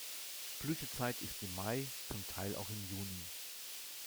Blütezeit ist im Mai, zum Teil auch im Juni.